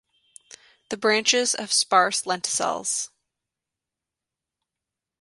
The branches have sparse lenticels.